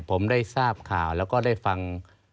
ผมได้ทราบข่าวแล้วก็ได้ฟัง